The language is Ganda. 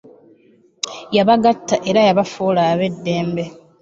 Yabagatta era yabafuula ab'eddembe.